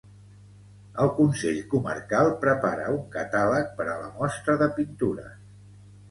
El Consell Comarcal prepara un catàleg per a la mostra de pintures.